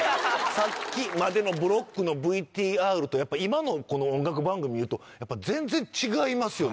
さっきまでのブロックのＶＴＲと今のこの音楽番組見るとやっぱ全然違いますよね。